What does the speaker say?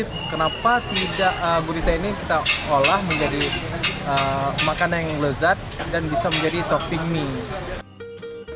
jadi kenapa tidak gurita ini kita olah menjadi makanan yang lezat dan bisa menjadi topping mie